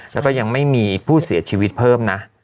แล้วก็ยังไม่มีผู้เสียชีวิตเพิ่มนะ